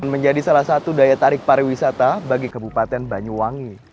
menjadi salah satu daya tarik pariwisata bagi kebupaten banyuwangi